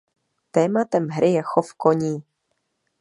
Tématem hry je chov koní.